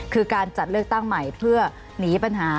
คือการจัดเลือกตั้งใหม่เพื่อหนีปัญหา